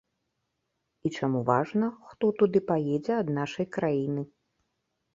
І чаму важна, хто туды паедзе ад нашай краіны.